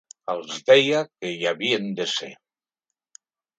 Els deia que hi havien de ser.